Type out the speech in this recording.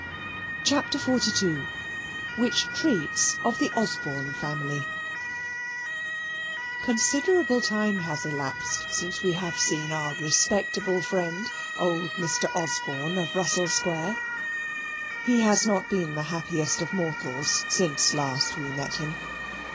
CHAPTER XLII Which Treats of the Osborne Family Considerable time has elapsed since we have seen our respectable friend, old Mr. Osborne of Russell Square. He has not been the happiest of mortals since last we met him.